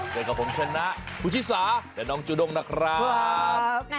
เจอกับผมชนะคุณชิสาและน้องจูด้งนะครับ